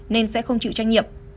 nên sẽ không chịu trách nhiệm